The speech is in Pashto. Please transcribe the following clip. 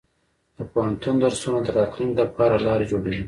د پوهنتون درسونه د راتلونکي لپاره لار جوړوي.